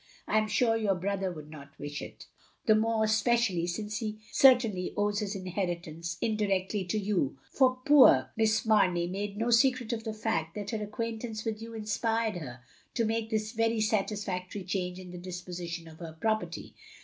I am stire your brother would not wish it; the more 72 THE LONELY LADY especially since he certainly owes his inheritance indirectly to you, for poor Miss Mamey made no secret of the fact that her acqtiaintance with you inspired her to make this very satisfactory change in the disposition of her property.